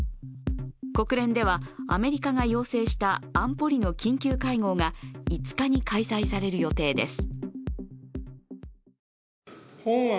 国連では、アメリカが要請した安保理の緊急会合が５日に開催される予定です。